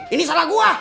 ini salah gua